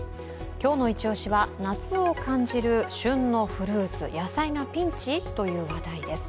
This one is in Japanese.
今日のイチオシは夏を感じる旬のフルーツ、野菜がピンチ？という話題です。